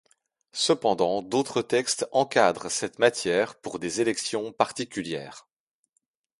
Cependant d'autres textes encadrent cette matière pour des élections particulières.